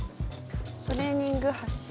トレーニング箸。